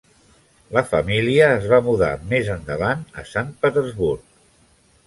La família es va mudar més endavant a Sant Petersburg.